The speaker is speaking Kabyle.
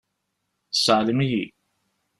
Seɛlem-iyi.